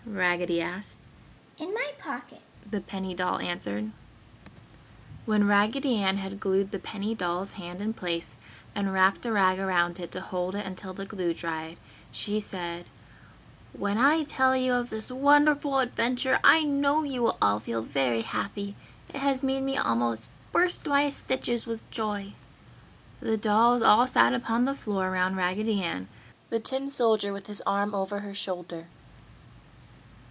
Raggedy asked. "In my pocket," the penny doll answered. When Raggedy Ann had glued the penny doll's hand in place and wrapped a rag around it to hold it until the glue dried, she said, "When I tell you of this wonderful adventure, I know you will all feel very happy. It has made me almost burst my stitches with joy." The dolls all sat upon the floor around Raggedy Ann, the tin soldier with his arm over her shoulder.